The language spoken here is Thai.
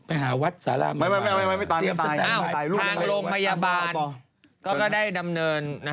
ไปทราบไปไม่เป็นอย่างน้อย